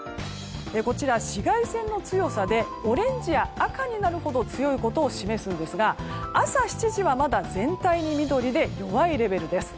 こちら紫外線の強さでオレンジや赤になるほど強いことを示すんですが朝７時はまだ全体、緑で弱いレベルです。